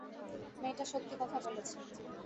মেয়েটা সত্যি কথা বলেছে।